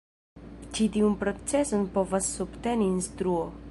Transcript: Ĉi tiun proceson povas subteni instruo.